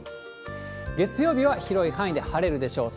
月曜日は広い範囲で晴れるでしょう。